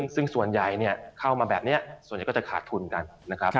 ซึ่งส่วนใหญ่เข้ามาแบบนี้ส่วนใหญ่ก็จะขาดทุนกันนะครับ